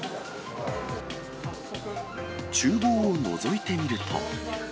ちゅう房をのぞいてみると。